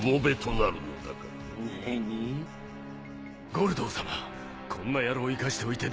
ゴルドー様こんな野郎を生かしておいて。